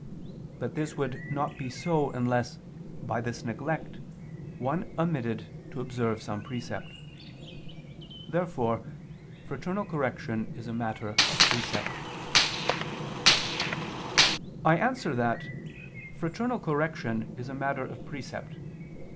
But this would not be so unless, by this neglect, one omitted to observe some precept. Therefore fraternal correction is a matter of precept. I answer that, Fraternal correction is a matter of precept.